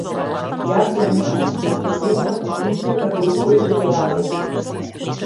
Јас ја немам, па сум во иста позиција како и кој било работник.